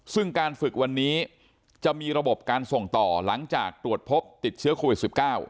ซึ่งการฝึกวันนี้จะมีระบบการส่งต่อหลังจากตรวจพบติดเชื้อโควิด๑๙